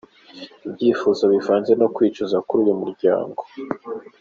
Ibyishimo bivanze no kwicuza kuri uyu muryango.